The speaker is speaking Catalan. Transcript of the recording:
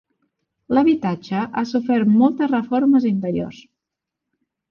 L'habitatge ha sofert moltes reformes interiors.